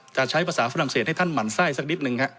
จะใช้ภาษาฝรั่งเศสให้ท่านหมั่นไส้สักนิดนึงฮะ